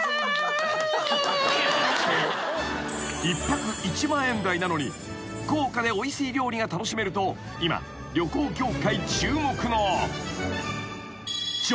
［１泊１万円台なのに豪華でおいしい料理が楽しめると今旅行業界注目の］